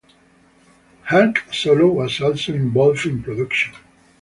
Hank Solo was also involved in production.